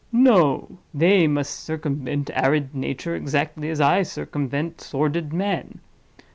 No! they must circumvent arid Nature exactly as I circumvent sordid Man.